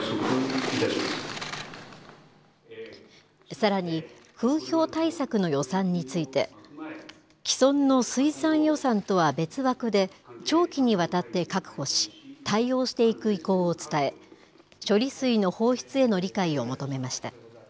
さらに、風評対策の予算について、既存の水産予算とは別枠で、長期にわたって確保し、対応していく意向を伝え、処理水の放出への理解を求めました。